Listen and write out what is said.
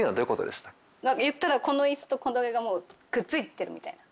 言ったらこのイスとこれがもうくっついてるみたいな。